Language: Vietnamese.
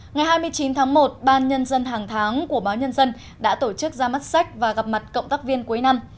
ngày hai mươi chín tháng một ban nhân dân hàng tháng của báo nhân dân đã tổ chức ra mắt sách và gặp mặt cộng tác viên cuối năm